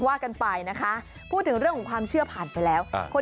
ว่ากันไปนะคะพูดถึงเรื่องของความเชื่อผ่านไปแล้ว